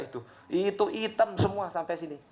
itu hitam semua sampai sini